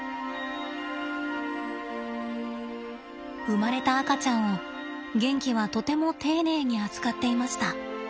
生まれた赤ちゃんをゲンキはとても丁寧に扱っていました。